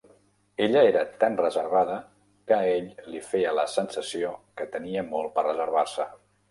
Ella era tan reservada que a ell li feia la sensació que tenia molt per reservar-se.